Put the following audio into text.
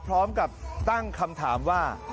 พร้อมกับตั้งคำถามว่า